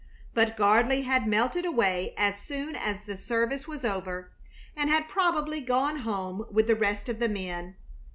But Gardley had melted away as soon as the service was over, and had probably gone home with the rest of the men.